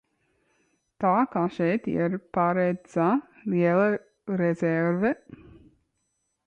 Tā ka šeit ir paredzēta liela rezerve.